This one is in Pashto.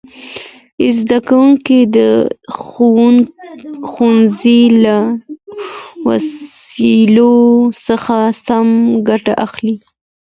زدهکوونکي د ښوونځي له وسایلو څخه سمه ګټه اخلي.